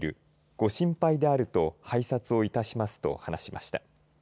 ご心配であると拝察をいたしますと話しました。